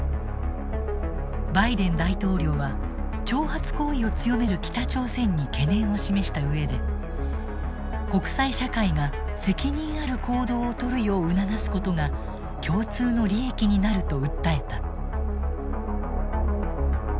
バイデン大統領は挑発行為を強める北朝鮮に懸念を示した上で国際社会が責任ある行動をとるよう促すことが共通の利益になると訴えた。